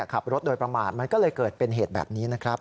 ขับรถโดยประมาทมันก็เลยเกิดเป็นเหตุแบบนี้นะครับ